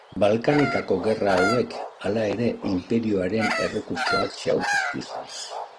Balkanetako gerra hauek, hala ere, inperioaren errekurtsoak xahutu zituzten.